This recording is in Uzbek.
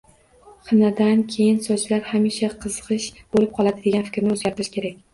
Xinadan keyin sochlar hamisha qizg‘ish bo‘lib qoladi degan fikrni o‘zgartirish kerak